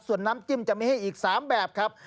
ส่วนน้ำจิ้มจะมีให้อีก๓แบบครับ